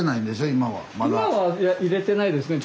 今は入れてないですね。